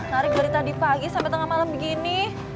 nari gari tadi pagi sampai tengah malem begini